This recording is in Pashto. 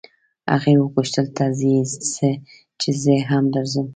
هغې وپوښتل ته ځې چې زه هم درځم.